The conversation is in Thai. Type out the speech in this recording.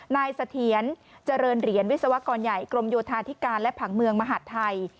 เสถียรเจริญเหรียญวิศวกรใหญ่กรมโยธาธิการและผังเมืองมหาดไทย